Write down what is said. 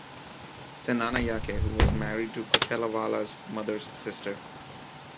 Senanayake, who was married to Kotelawala's mother's sister.